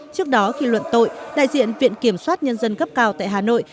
trước đó khi luận tội đại diện viện kiểm sát nhân dân cấp cao tại hà nội